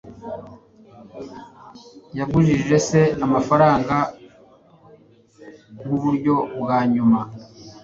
yagujije se amafaranga nkuburyo bwa nyuma